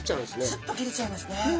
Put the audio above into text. スッと切れちゃいますね。